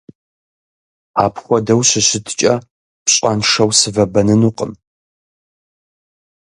Апхуэдэу щыщыткӀэ, пщӀэншэу сывэбэнынукъым.